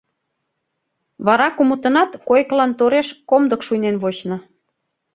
Вара кумытынат койкылан тореш комдык шуйнен вочна.